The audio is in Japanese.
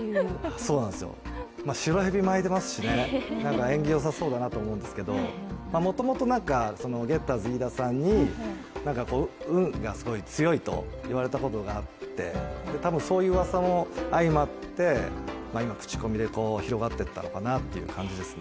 白蛇巻いてますし、縁起よさそうだなと思いますけどもともとゲッターズ飯田さんに運が強いと言われたことがあってたぶんそういううわさも相まって口コミで広まっていったのかなって感じですね。